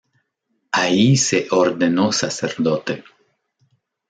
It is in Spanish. Allí se ordenó sacerdote.